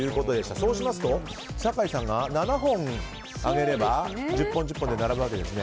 そうしますと、酒井さんが７本あげれば１０本、１０本で並ぶんですね。